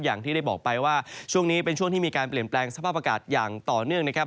อย่างที่ได้บอกไปว่าช่วงนี้เป็นช่วงที่มีการเปลี่ยนแปลงสภาพอากาศอย่างต่อเนื่องนะครับ